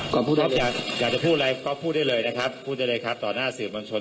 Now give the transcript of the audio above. ขอบคุณครับอยากจะพูดอะไรก็พูดได้เลยนะครับพูดได้เลยครับต่อหน้าสื่อมวลชน